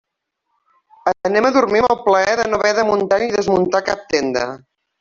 Anem a dormir amb el plaer de no haver de muntar ni desmuntar cap tenda.